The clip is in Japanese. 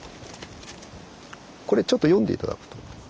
これちょっと読んで頂くと。